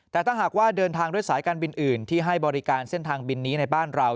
แต่ถ้าหากว่าเดินทางด้วยสายการบินอื่นที่ให้บริการเส้นทางบินนี้ในบ้านเรา